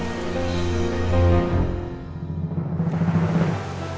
gue gak kuat